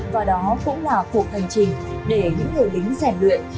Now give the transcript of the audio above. và đó cũng là cuộc hành trình để những người lính rèn luyện